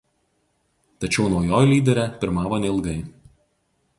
Tačiau naujoji lyderė pirmavo neilgai.